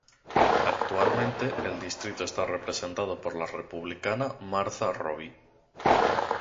Actualmente el distrito está representado por la Republicana Martha Roby.